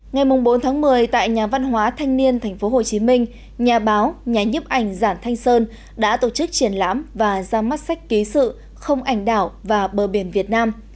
ngày bốn tháng một mươi tại nhà văn hóa thanh niên tp hcm nhà báo nhà nhấp ảnh giản thanh sơn đã tổ chức triển lãm và ra mắt sách ký sự không ảnh đảo và bờ biển việt nam